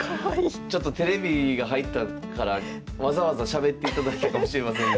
ちょっとテレビが入ったからわざわざしゃべっていただいたかもしれませんが。